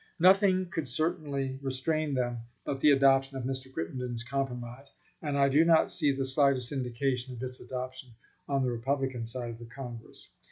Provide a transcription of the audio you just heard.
Nothing could certainly restrain them but the adoption of Mr. Crittenden's compromise, and I do not see the slightest indication of its adoption on the Republican side of Congress.